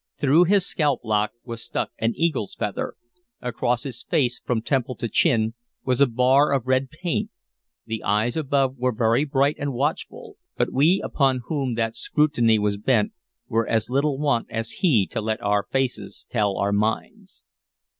Through his scalp lock was stuck an eagle's feather; across his face, from temple to chin, was a bar of red paint; the eyes above were very bright and watchful, but we upon whom that scrutiny was bent were as little wont as he to let our faces tell our minds.